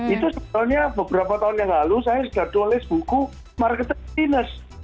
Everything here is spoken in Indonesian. itu sebenarnya beberapa tahun yang lalu saya sudah tulis buku market chiness